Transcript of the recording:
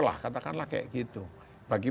lah katakanlah kayak gitu bagi